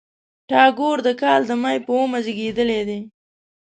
ټاګور د کال د مۍ په اوومه زېږېدلی دی.